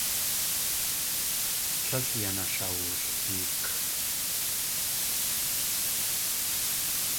Tlél yan ashawulheek.